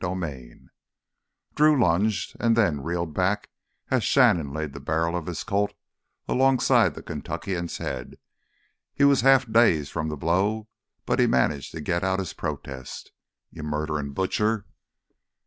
18 Drew lunged and then reeled back as Shannon laid the barrel of his Colt alongside the Kentuckian's head. He was half dazed from the blow but he managed to get out his protest. "You murderin' butcher!"